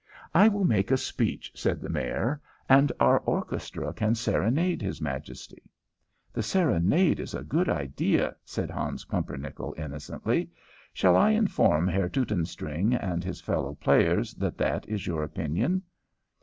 "I will make a speech," said the Mayor, "and our orchestra can serenade his Majesty." "The serenade is a good idea," said Hans Pumpernickel, innocently. "Shall I inform Herr Teutonstring and his fellow players that that is your opinion?"